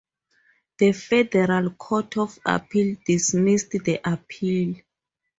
The Federal Court of Appeal dismissed the appeal.